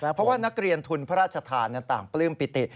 เพราะว่านักเรียนทุนพระราชทานต่างปลื้มปิติ